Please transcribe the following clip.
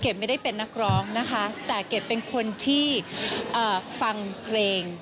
ไม่ได้เป็นนักร้องนะคะแต่เกดเป็นคนที่ฟังเพลง